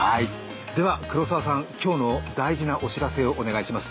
では、黒澤さん今日の大事なお知らせをお願いします。